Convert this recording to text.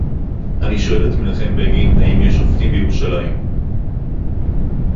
אני שואל את מנחם בגין: האם יש שופטים בירושלים